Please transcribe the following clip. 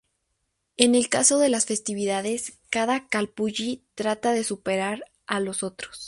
En el caso de las festividades, cada "calpulli" trataba de superar a los otros.